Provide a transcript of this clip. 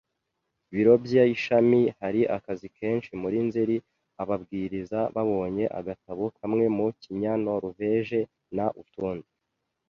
biro by ishami hari akazi kenshi Muri Nzeri ababwiriza babonye agatabo kamwe mu kinyanoruveje n utundi